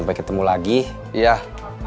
jangan lupa langsung kartu ram